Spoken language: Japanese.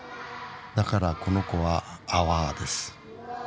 だからこの子はアワーです。